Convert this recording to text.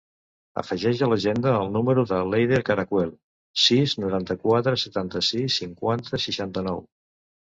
Afegeix a l'agenda el número de l'Eider Caracuel: sis, noranta-quatre, setanta-sis, cinquanta, seixanta-nou.